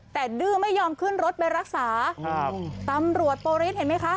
แต่ดื้อไม่ยอมขึ้นรถไปรักษาครับตำรวจโปรริสเห็นไหมคะ